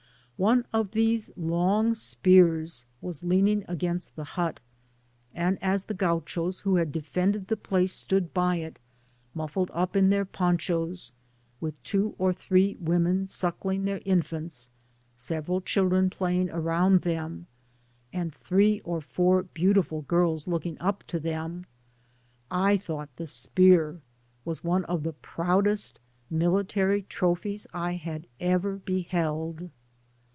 One of these long spears was leaning against the hut, and as the Gauchos who had defended the place stood by it, muffled up in their ponchos, with two or three women suckling their infants, several children playing about them, and three or four beautiful girls looking up to them, I thought the spear was one of the proudest military trophies I had ever beheld.